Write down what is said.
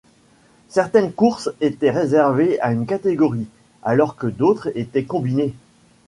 Certaines courses étaient réservées à une catégorie, alors que d'autres étaient combinées.